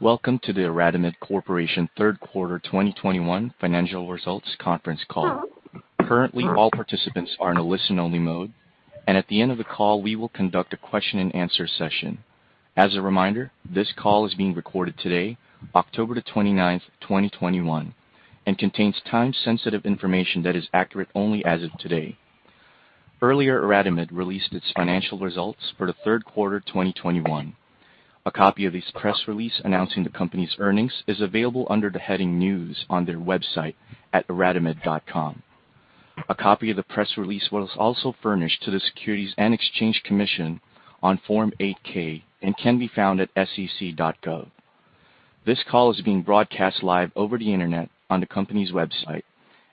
Welcome to the IRadimed Corporation third quarter 2021 financial results conference call. Currently, all participants are in a listen-only mode, and at the end of the call, we will conduct a question-and-answer session. As a reminder, this call is being recorded today, October 29th, 2021, and contains time-sensitive information that is accurate only as of today. Earlier, IRadimed released its financial results for the third quarter 2021. A copy of this press release announcing the company's earnings is available under the heading News on their website at iradimed.com. A copy of the press release was also furnished to the Securities and Exchange Commission on Form 8-K and can be found at sec.gov. This call is being broadcast live over the Internet on the company's website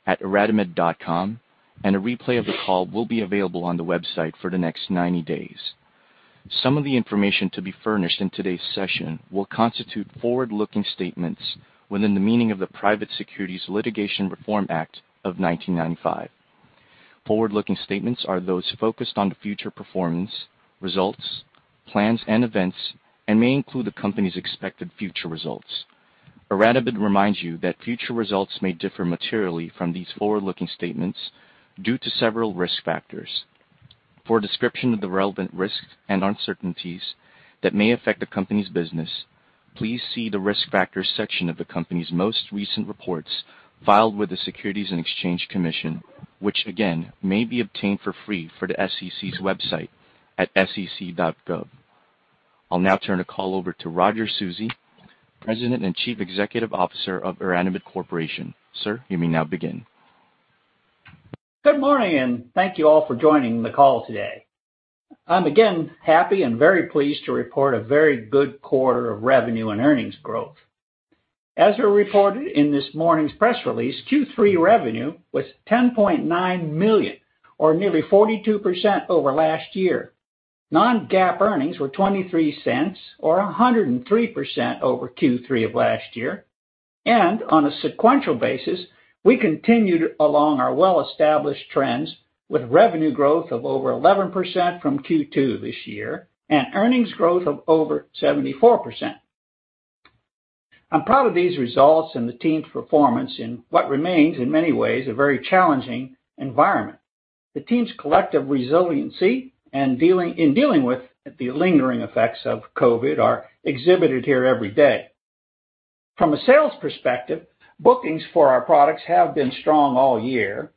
at iradimed.com, and a replay of the call will be available on the website for the next 90 days. Some of the information to be furnished in today's session will constitute forward-looking statements within the meaning of the Private Securities Litigation Reform Act of 1995. Forward-looking statements are those focused on the future performance, results, plans, and events and may include the company's expected future results. IRadimed reminds you that future results may differ materially from these forward-looking statements due to several risk factors. For a description of the relevant risks and uncertainties that may affect the company's business, please see the Risk Factors section of the company's most recent reports filed with the Securities and Exchange Commission, which again may be obtained for free from the SEC's website at sec.gov. I'll now turn the call over to Roger Susi, President and Chief Executive Officer of IRadimed Corporation. Sir, you may now begin. Good morning, and thank you all for joining the call today. I'm again happy and very pleased to report a very good quarter of revenue and earnings growth. As we reported in this morning's press release, Q3 revenue was $10.9 million, or nearly 42% over last year. Non-GAAP earnings were $0.23, or 103% over Q3 of last year. On a sequential basis, we continued along our well-established trends with revenue growth of over 11% from Q2 this year and earnings growth of over 74%. I'm proud of these results and the team's performance in what remains in many ways, a very challenging environment. The team's collective resiliency and dealing with the lingering effects of COVID are exhibited here every day. From a sales perspective, bookings for our products have been strong all year,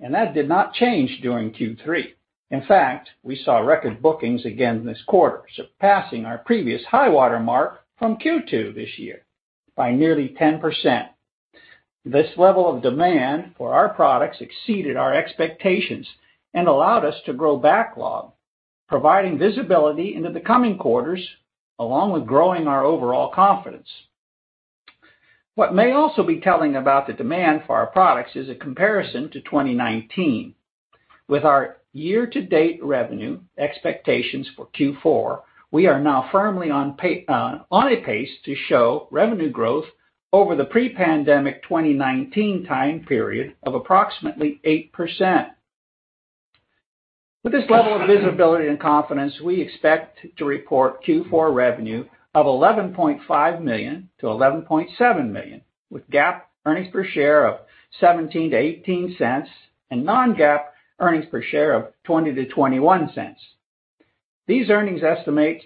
and that did not change during Q3. In fact, we saw record bookings again this quarter, surpassing our previous high-water mark from Q2 this year by nearly 10%. This level of demand for our products exceeded our expectations and allowed us to grow backlog, providing visibility into the coming quarters along with growing our overall confidence. What may also be telling about the demand for our products is a comparison to 2019. With our year-to-date revenue expectations for Q4, we are now firmly on a pace to show revenue growth over the pre-pandemic 2019 time period of approximately 8%. With this level of visibility and confidence, we expect to report Q4 revenue of $11.5 million-$11.7 million, with GAAP earnings per share of $0.17-$0.18 and non-GAAP earnings per share of $0.20-$0.21. These earnings estimates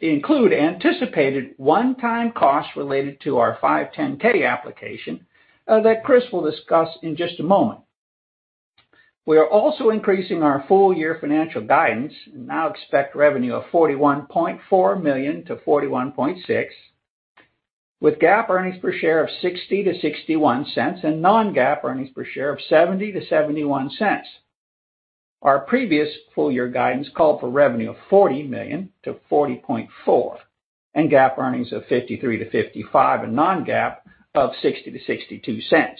include anticipated one-time costs related to our 510(k) application that Chris will discuss in just a moment. We are also increasing our full-year financial guidance and now expect revenue of $41.4 million-$41.6 million, with GAAP earnings per share of $0.60-$0.61 and non-GAAP earnings per share of $0.70-$0.71. Our previous full-year guidance called for revenue of $40 million-$40.4 million and GAAP earnings of $0.53-$0.55 and non-GAAP of $0.60-$0.62.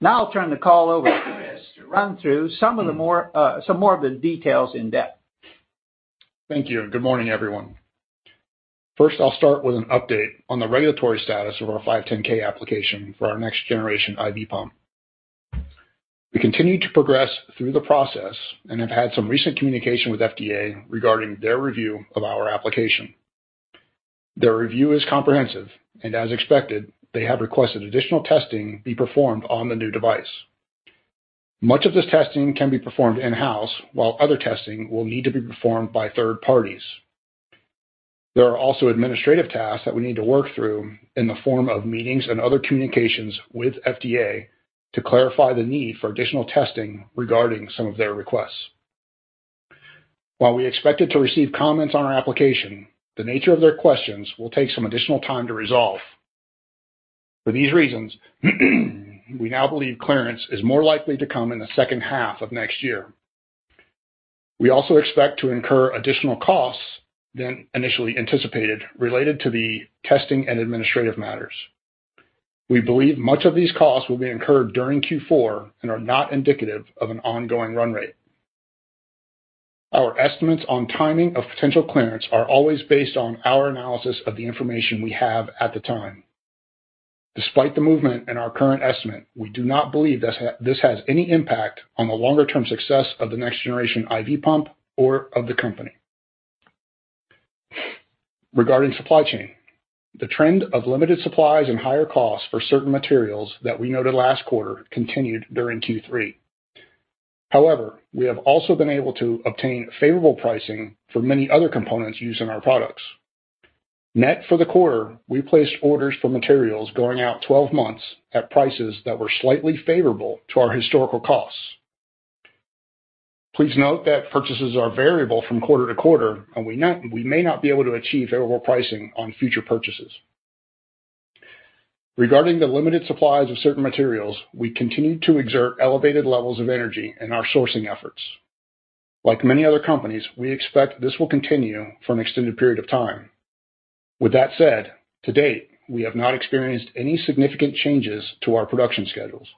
Now I'll turn the call over to Chris to run through some more of the details in depth. Thank you, and good morning, everyone. First, I'll start with an update on the regulatory status of our 510(k) application for our next generation IV pump. We continue to progress through the process and have had some recent communication with FDA regarding their review of our application. Their review is comprehensive and as expected, they have requested additional testing be performed on the new device. Much of this testing can be performed in-house, while other testing will need to be performed by third parties. There are also administrative tasks that we need to work through in the form of meetings and other communications with FDA to clarify the need for additional testing regarding some of their requests. While we expected to receive comments on our application, the nature of their questions will take some additional time to resolve. For these reasons, we now believe clearance is more likely to come in the second half of next year. We also expect to incur additional costs than initially anticipated related to the testing and administrative matters. We believe much of these costs will be incurred during Q4 and are not indicative of an ongoing run rate. Our estimates on timing of potential clearance are always based on our analysis of the information we have at the time. Despite the movement in our current estimate, we do not believe this has any impact on the longer-term success of the next generation IV pump or of the company. Regarding supply chain. The trend of limited supplies and higher costs for certain materials that we noted last quarter continued during Q3. However, we have also been able to obtain favorable pricing for many other components used in our products. Net for the quarter, we placed orders for materials going out 12 months at prices that were slightly favorable to our historical costs. Please note that purchases are variable from quarter to quarter, and we may not be able to achieve favorable pricing on future purchases. Regarding the limited supplies of certain materials, we continue to exert elevated levels of energy in our sourcing efforts. Like many other companies, we expect this will continue for an extended period of time. With that said, to date, we have not experienced any significant changes to our production schedules.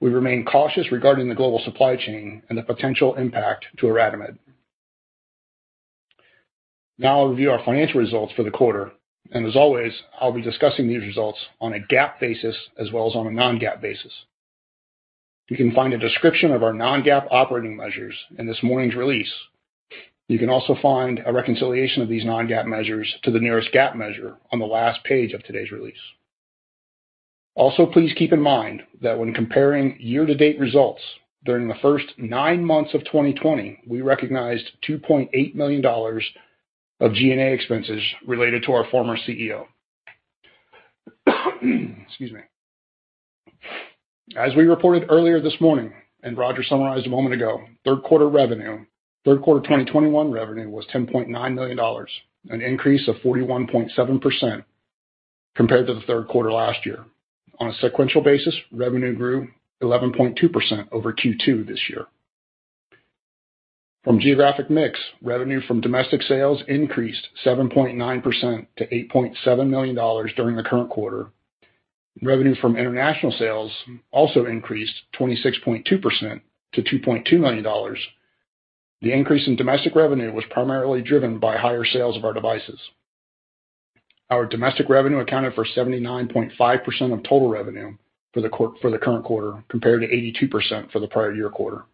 We remain cautious regarding the global supply chain and the potential impact to IRadimed. Now I'll review our financial results for the quarter, and as always, I'll be discussing these results on a GAAP basis as well as on a non-GAAP basis. You can find a description of our non-GAAP operating measures in this morning's release. You can also find a reconciliation of these non-GAAP measures to the nearest GAAP measure on the last page of today's release. Please keep in mind that when comparing year-to-date results, during the first nine months of 2020, we recognized $2.8 million of G&A expenses related to our former CEO. Excuse me. As we reported earlier this morning, and Roger summarized a moment ago, third quarter 2021 revenue was $10.9 million, an increase of 41.7% compared to the third quarter last year. On a sequential basis, revenue grew 11.2% over Q2 this year. From geographic mix, revenue from domestic sales increased 7.9% to $8.7 million during the current quarter. Revenue from international sales also increased 26.2% to $2.2 million. The increase in domestic revenue was primarily driven by higher sales of our devices. Our domestic revenue accounted for 79.5% of total revenue for the current quarter, compared to 82% for the prior year quarter.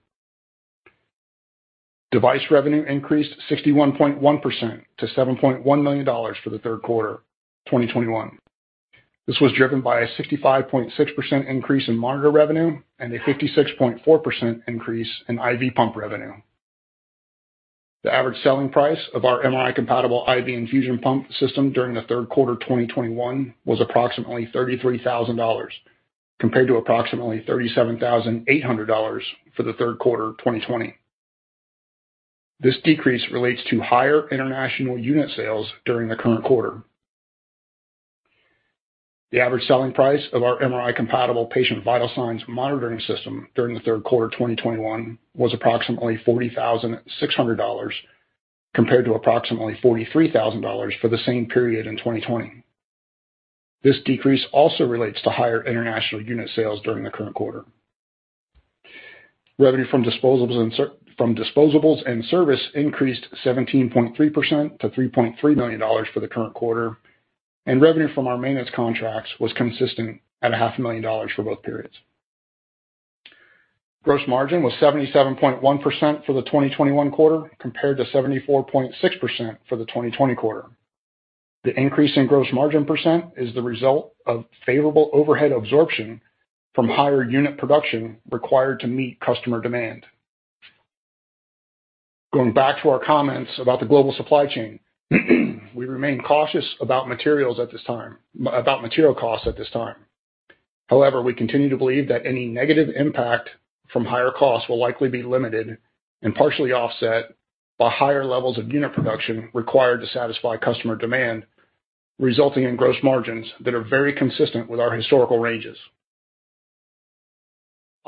Device revenue increased 61.1% to $7.1 million for the third quarter 2021. This was driven by a 65.6% increase in monitor revenue and a 56.4% increase in IV pump revenue. The average selling price of our MRI compatible IV infusion pump system during the third quarter 2021 was approximately $33,000, compared to approximately $37,800 for the third quarter of 2020. This decrease relates to higher international unit sales during the current quarter. The average selling price of our MRI compatible patient vital signs monitoring system during the third quarter 2021 was approximately $40,600, compared to approximately $43,000 for the same period in 2020. This decrease also relates to higher international unit sales during the current quarter. Revenue from disposables and service increased 17.3% to $3.3 million for the current quarter, and revenue from our maintenance contracts was consistent at half a million dollars for both periods. Gross margin was 77.1% for the 2021 quarter, compared to 74.6% for the 2020 quarter. The increase in gross margin percent is the result of favorable overhead absorption from higher unit production required to meet customer demand. Going back to our comments about the global supply chain, we remain cautious about material costs at this time. However, we continue to believe that any negative impact from higher costs will likely be limited and partially offset by higher levels of unit production required to satisfy customer demand, resulting in gross margins that are very consistent with our historical ranges.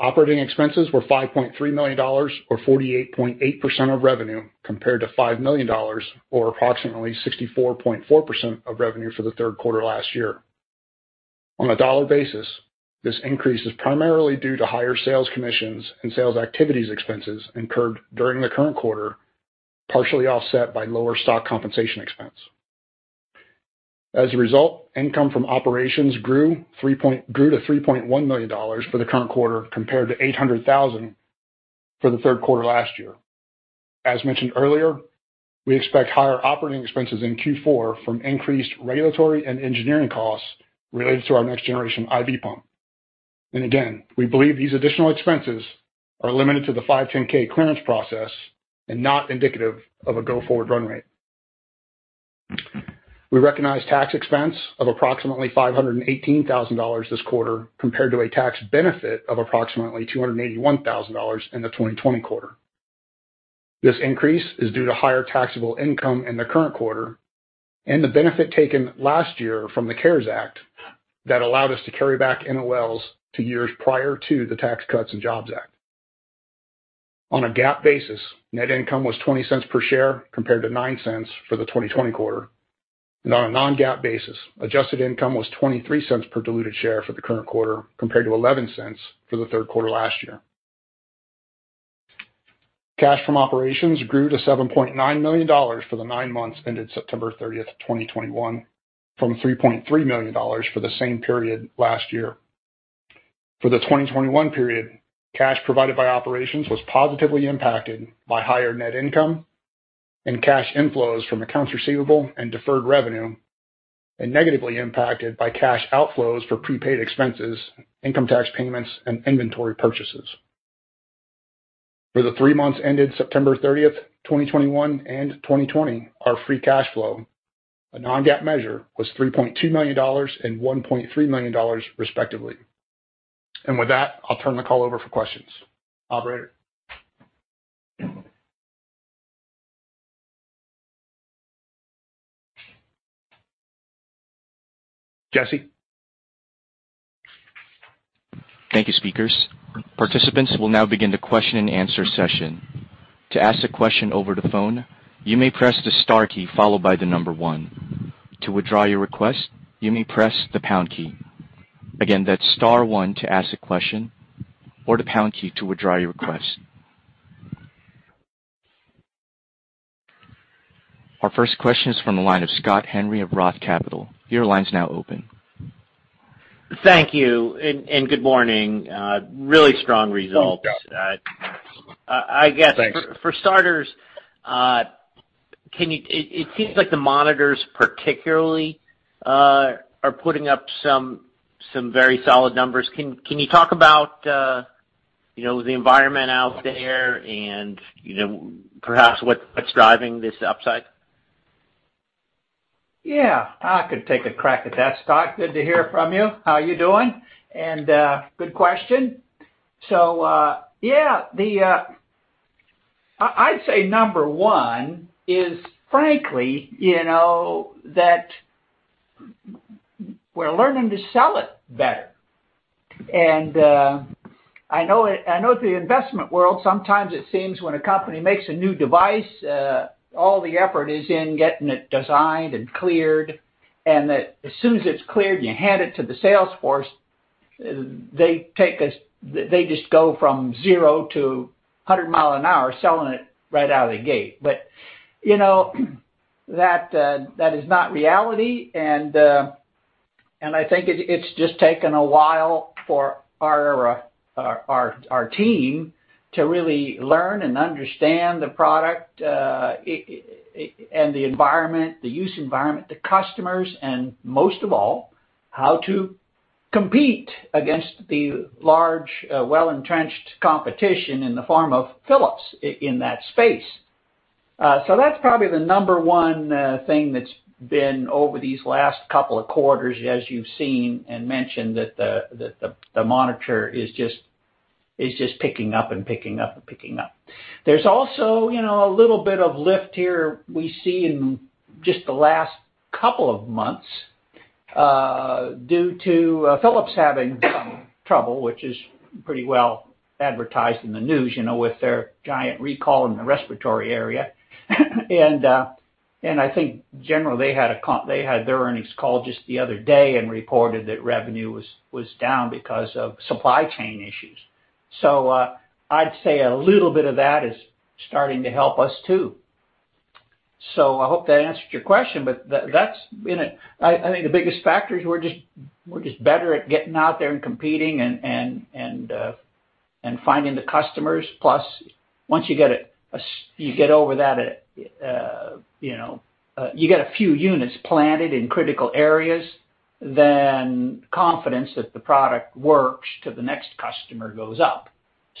Operating expenses were $5.3 million or 48.8% of revenue, compared to $5 million or approximately 64.4% of revenue for the third quarter last year. On a dollar basis, this increase is primarily due to higher sales commissions and sales activities expenses incurred during the current quarter, partially offset by lower stock compensation expense. As a result, income from operations grew to $3.1 million for the current quarter, compared to $800,000 for the third quarter last year. As mentioned earlier, we expect higher operating expenses in Q4 from increased regulatory and engineering costs related to our next generation IV pump. Again, we believe these additional expenses are limited to the 510(k) clearance process and not indicative of a go-forward run rate. We recognized tax expense of approximately $518,000 this quarter, compared to a tax benefit of approximately $281,000 in the 2020 quarter. This increase is due to higher taxable income in the current quarter and the benefit taken last year from the CARES Act that allowed us to carry back NOLs to years prior to the Tax Cuts and Jobs Act. On a GAAP basis, net income was $0.20 per share, compared to $0.09 for the 2020 quarter. On a non-GAAP basis, adjusted income was $0.23 per diluted share for the current quarter, compared to $0.11 for the third quarter last year. Cash from operations grew to $7.9 million for the nine months ended September 30th, 2021, from $3.3 million for the same period last year. For the 2021 period, cash provided by operations was positively impacted by higher net income and cash inflows from accounts receivable and deferred revenue, and negatively impacted by cash outflows for prepaid expenses, income tax payments, and inventory purchases. For the three months ended September 30th, 2021 and 2020, our free cash flow, a non-GAAP measure, was $3.2 million and $1.3 million, respectively. With that, I'll turn the call over for questions. Operator? Jesse? Thank you, speakers. Participants will now begin the question-and-answer session. To ask a question over the phone, you may press the star key followed by the number one. To withdraw your request, you may press the pound key. Again, that's star one to ask a question or the pound key to withdraw your request. Our first question is from the line of Scott Henry of Roth Capital. Your line's now open. Thank you and good morning. Really strong results. Thanks, Scott. I guess. Thanks. For starters, it seems like the monitors particularly are putting up some very solid numbers. Can you talk about you know the environment out there and you know perhaps what's driving this upside? Yeah, I could take a crack at that, Scott. Good to hear from you. How are you doing? Good question. Yeah, I'd say number one is frankly, you know, that we're learning to sell it better. I know in the investment world, sometimes it seems when a company makes a new device, all the effort is in getting it designed and cleared, and that as soon as it's cleared, you hand it to the sales force, they just go from 0-100 mi an hour selling it right out of the gate. You know, that is not reality and I think it's just taken a while for our team to really learn and understand the product and the environment, the use environment, the customers, and most of all, how to compete against the large, well-entrenched competition in the form of Philips in that space. That's probably the number one thing that's been over these last couple of quarters as you've seen and mentioned that the monitor is just picking up. There's also, you know, a little bit of lift here we see in just the last couple of months due to Philips having some trouble, which is pretty well advertised in the news, you know, with their giant recall in the respiratory area. I think generally, they had their earnings call just the other day and reported that revenue was down because of supply chain issues. I'd say a little bit of that is starting to help us too. I hope that answered your question, but that's, you know, I think the biggest factor is we're just better at getting out there and competing and finding the customers. Plus, once you get over that, you get a few units planted in critical areas, then confidence that the product works to the next customer goes up.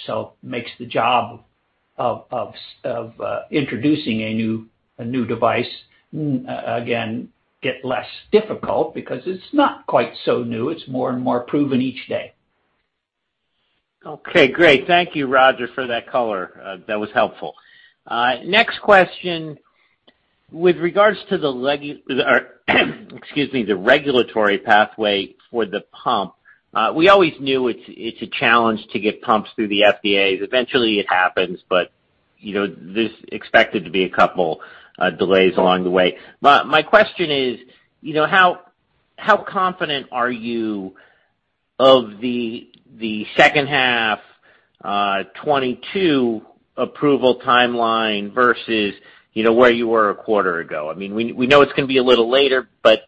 It makes the job of introducing a new device again get less difficult because it's not quite so new. It's more and more proven each day. Okay, great. Thank you, Roger, for that color. That was helpful. Next question. With regards to the regulatory pathway for the pump, or excuse me, we always knew it's a challenge to get pumps through the FDA. Eventually, it happens, but you know, there's expected to be a couple delays along the way. My question is, you know, how confident are you of the second half 2022 approval timeline versus, you know, where you were a quarter ago? I mean, we know it's gonna be a little later, but,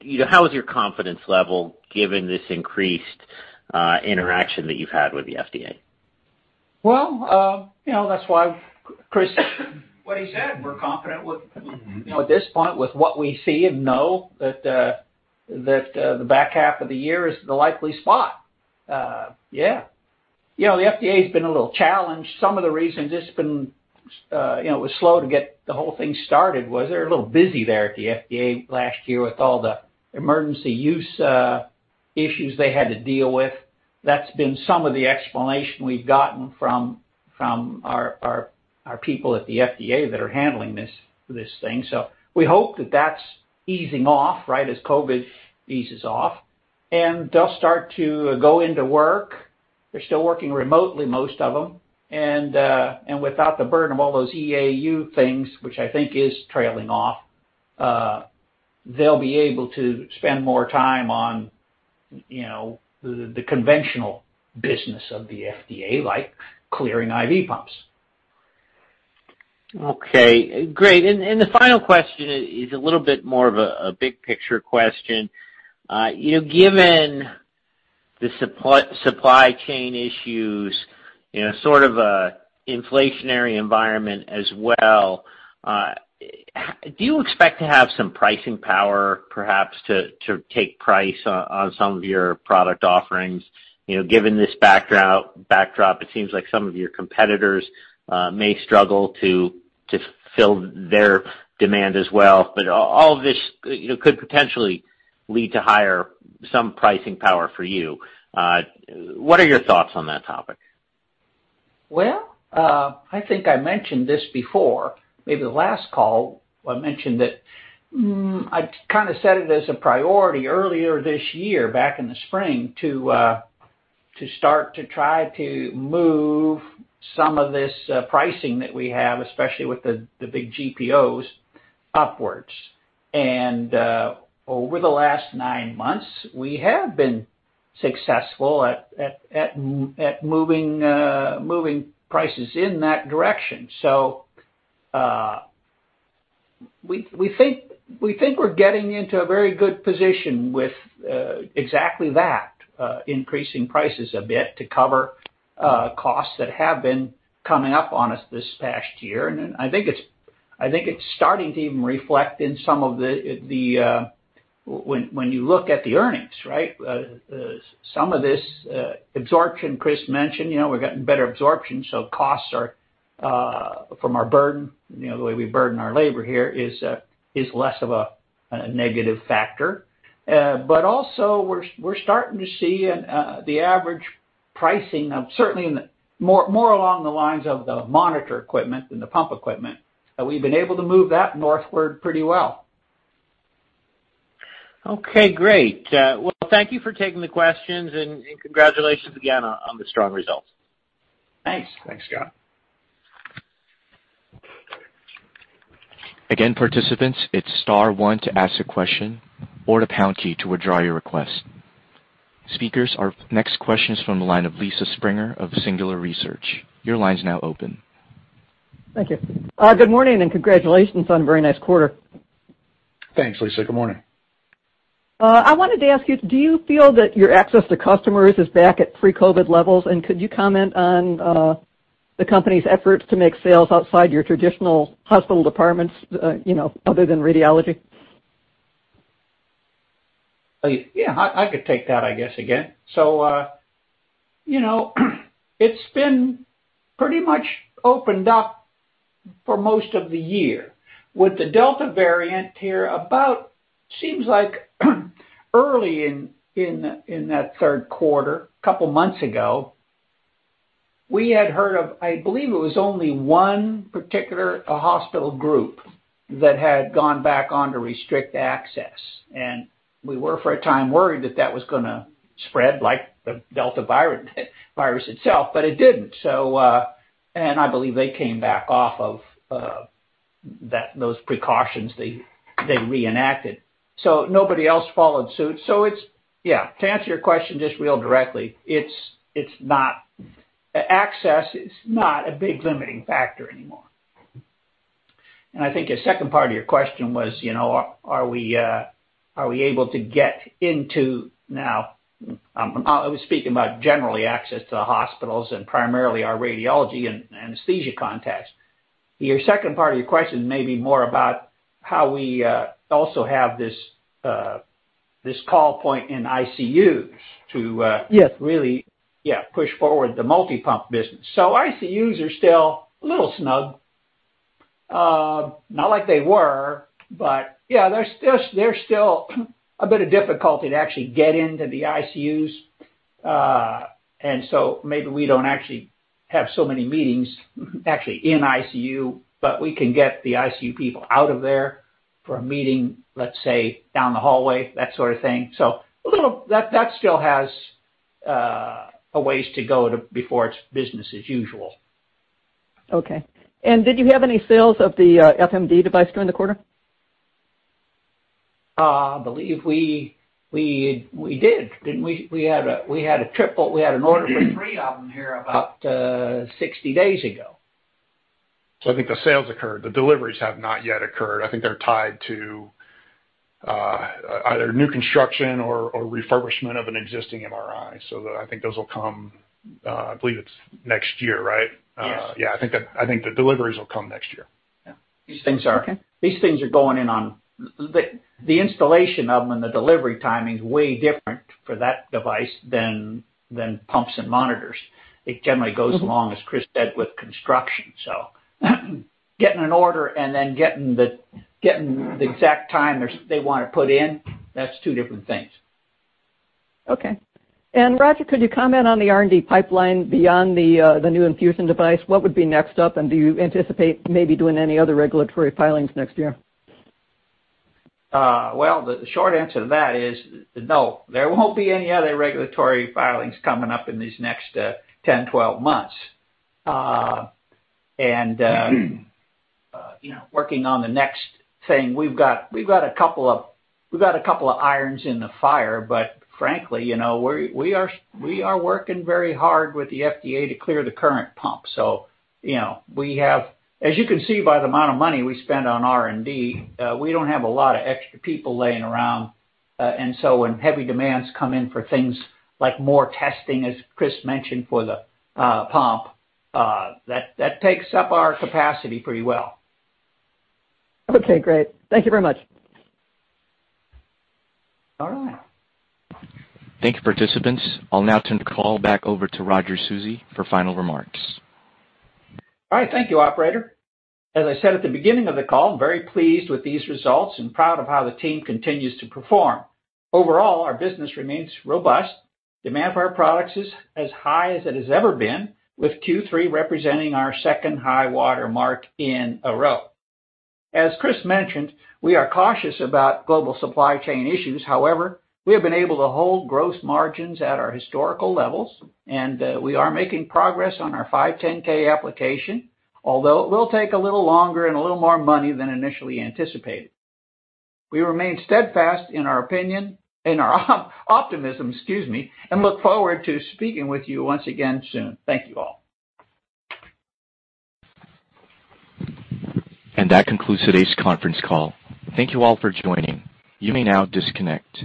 you know, how is your confidence level given this increased interaction that you've had with the FDA? Well, you know, that's why Chris, what he said, we're confident with, you know, at this point with what we see and know that the back half of the year is the likely spot. Yeah. You know, the FDA's been a little challenged. Some of the reasons it's been, you know, it was slow to get the whole thing started was they're a little busy there at the FDA last year with all the emergency use issues they had to deal with. That's been some of the explanation we've gotten from our people at the FDA that are handling this thing. We hope that that's easing off, right, as COVID eases off, and they'll start to go into work. They're still working remotely, most of them. without the burden of all those EUA things, which I think is trailing off. They'll be able to spend more time on, you know, the conventional business of the FDA, like clearing IV pumps. Okay, great. The final question is a little bit more of a big picture question. You know, given the supply chain issues in a sort of a inflationary environment as well, do you expect to have some pricing power perhaps to take price on some of your product offerings? You know, given this backdrop, it seems like some of your competitors may struggle to fill their demand as well. All this, you know, could potentially lead to some higher pricing power for you. What are your thoughts on that topic? Well, I think I mentioned this before, maybe the last call, I mentioned that I kinda set it as a priority earlier this year, back in the spring to start to try to move some of this pricing that we have, especially with the big GPOs upwards. Over the last nine months, we have been successful at moving prices in that direction. We think we're getting into a very good position with exactly that, increasing prices a bit to cover costs that have been coming up on us this past year. I think it's starting to even reflect in some of the earnings when you look at the earnings, right? Some of this absorption Chris mentioned, you know, we're getting better absorption, so costs are from our burden, you know, the way we burden our labor here is less of a negative factor. Also we're starting to see the average pricing, certainly in the more along the lines of the monitor equipment than the pump equipment, that we've been able to move that northward pretty well. Okay, great. Well, thank you for taking the questions, and congratulations again on the strong results. Thanks. Thanks, Scott. Again, participants, hit star one to ask a question or the pound key to withdraw your request. Speakers, our next question is from the line of Lisa Springer of Singular Research. Your line's now open. Thank you. Good morning, and congratulations on a very nice quarter. Thanks, Lisa. Good morning. I wanted to ask you, do you feel that your access to customers is back at pre-COVID levels? Could you comment on the company's efforts to make sales outside your traditional hospital departments, you know, other than radiology? Yeah, I could take that, I guess, again. You know, it's been pretty much opened up for most of the year. With the Delta variant here about, seems like, early in that third quarter, a couple months ago, we had heard of, I believe it was only one particular hospital group that had gone back on to restrict access. We were, for a time, worried that that was gonna spread like the Delta virus itself, but it didn't. I believe they came back off of that, those precautions they reenacted. Nobody else followed suit. Yeah, to answer your question just real directly, it's not. Access is not a big limiting factor anymore. I think the second part of your question was, are we able to get into now. I was speaking about general access to the hospitals and primarily our radiology and anesthesia contacts. Your second part of your question may be more about how we also have this call point in ICUs to Yes. Really, yeah, push forward the multi-pump business. ICUs are still a little snug. Not like they were, but yeah, there's still a bit of difficulty to actually get into the ICUs. Maybe we don't actually have so many meetings actually in ICU, but we can get the ICU people out of there for a meeting, let's say, down the hallway, that sort of thing. A little. That still has a ways to go to before it's business as usual. Okay. Did you have any sales of the FMD device during the quarter? I believe we did, didn't we? We had an order for three of them here about 60 days ago. I think the sales occurred. The deliveries have not yet occurred. I think they're tied to either new construction or refurbishment of an existing MRI. That I think those will come. I believe it's next year, right? Yes. Yeah, I think the deliveries will come next year. Yeah. These things are Okay. The installation of them and the delivery timing is way different for that device than pumps and monitors. It generally goes along, as Chris said, with construction. Getting an order and then getting the exact time that they wanna put in, that's two different things. Okay. Roger, could you comment on the R&D pipeline beyond the new infusion device? What would be next up, and do you anticipate maybe doing any other regulatory filings next year? Well, the short answer to that is no. There won't be any other regulatory filings coming up in these next 10, 12 months. You know, working on the next thing, we've got a couple of irons in the fire, but frankly, you know, we are working very hard with the FDA to clear the current pump. You know, as you can see by the amount of money we spend on R&D, we don't have a lot of extra people laying around. When heavy demands come in for things like more testing, as Chris mentioned, for the pump, that takes up our capacity pretty well. Okay, great. Thank you very much. All right. Thank you, participants. I'll now turn the call back over to Roger Susi for final remarks. All right. Thank you, operator. As I said at the beginning of the call, I'm very pleased with these results and proud of how the team continues to perform. Overall, our business remains robust. Demand for our products is as high as it has ever been, with Q3 representing our second high-water mark in a row. As Chris mentioned, we are cautious about global supply chain issues. However, we have been able to hold gross margins at our historical levels, and we are making progress on our 510(k) application, although it will take a little longer and a little more money than initially anticipated. We remain steadfast in our opinion, in our optimism, excuse me, and look forward to speaking with you once again soon. Thank you all. That concludes today's conference call. Thank you all for joining. You may now disconnect.